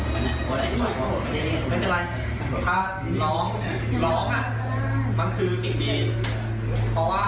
มันคือสิ่งดีเพราะว่า